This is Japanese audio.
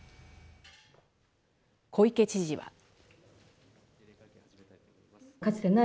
小池知事は。